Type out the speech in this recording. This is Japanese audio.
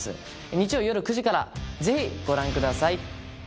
日曜よる９時からぜひご覧ください